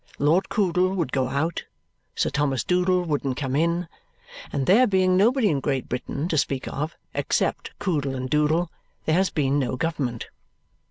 Lord Coodle would go out, Sir Thomas Doodle wouldn't come in, and there being nobody in Great Britain (to speak of) except Coodle and Doodle, there has been no government.